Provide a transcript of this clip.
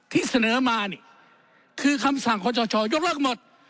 ที่เสนอมานี่คือคำสั่งขอชชยกเลิกหมด